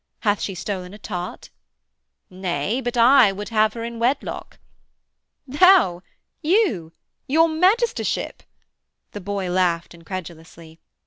Hath she stolen a tart?' 'Nay, but I would have her in wedlock.' 'Thou you your magistership?' the boy laughed incredulously.